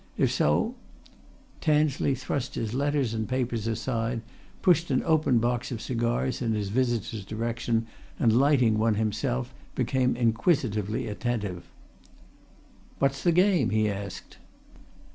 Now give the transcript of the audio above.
If so " Tansley thrust his letters and papers aside, pushed an open box of cigars in his visitor's direction, and lighting one himself became inquisitively attentive. "What's the game?" he asked.